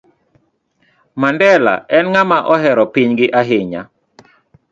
Mandela en ng'ama ohero pinygi ahinya